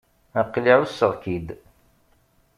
Aql-i ɛusseɣ-k-id.